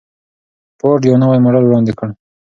فورډ یو نوی ماډل وړاندې کړ.